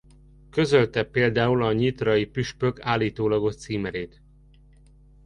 Közölte például a nyitrai püspök állítólagos címerét.